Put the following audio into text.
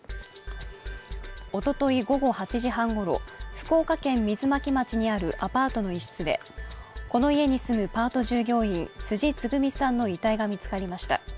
おととい午後８時半ごろ福岡県水巻町にあるアパートの一室でこの家に住むパート従業員、辻つぐみさんの遺体が見つかりました。